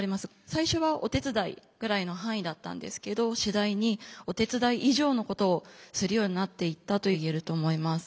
最初はお手伝いぐらいの範囲だったんですけど次第にお手伝い以上のことをするようになっていったと言えると思います。